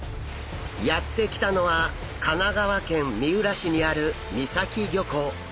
やって来たのは神奈川県三浦市にある三崎漁港。